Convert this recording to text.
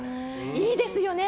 いいですよね。